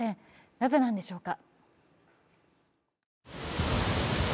なぜなんでしょうか。